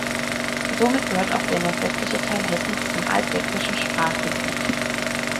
Somit gehört auch der nordwestliche Teil Hessens zum altsächsischen Sprachgebiet.